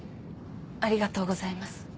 ありがとうございます。